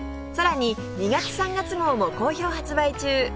さらに２月３月号も好評発売中